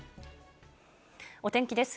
お天気です。